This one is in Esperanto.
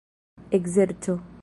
ekzerco